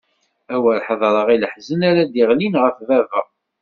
A wer ḥedṛeɣ i leḥzen ara d-iɣlin ɣef baba!